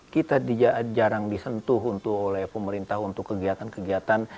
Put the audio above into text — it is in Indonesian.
kita jarang disentuh oleh pemerintah untuk kegiatan kegiatan